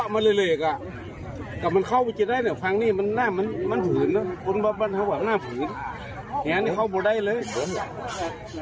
มันก็เลี้ยกับทุกคนก็มันเล็กก็มันเข้าไปจะได้เนี่ยฝั่งนี้